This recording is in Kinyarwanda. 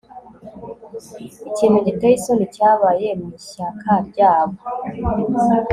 ikintu giteye isoni cyabaye mu ishyaka ryabo